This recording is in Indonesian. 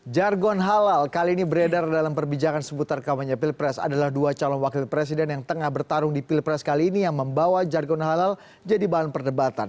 jargon halal kali ini beredar dalam perbicaraan seputar kamarnya pilpres adalah dua calon wakil presiden yang tengah bertarung di pilpres kali ini yang membawa jargon halal jadi bahan perdebatan